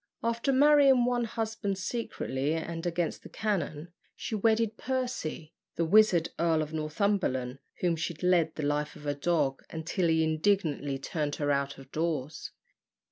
After marrying one husband secretly and against the canon, she wedded Percy, the wizard Earl of Northumberland, whom she led the life of a dog, until he indignantly turned her out of doors.